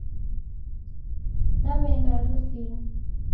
Naeweenda harusinyi